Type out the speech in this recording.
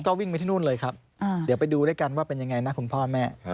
ก็วิ่งไปที่นู่นเลยครับเดี๋ยวไปดูด้วยกันว่าเป็นยังไงนะคุณพ่อแม่